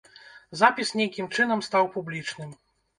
Запіс нейкім чынам стаў публічным.